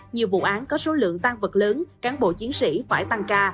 nhiều vụ án có số lượng tan vật lớn cán bộ chiến sĩ phải tăng ca